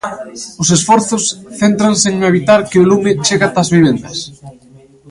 Os esforzos céntranse en evitar que o lume chegue ata as vivendas.